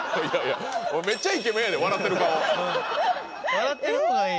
笑ってる方がいい。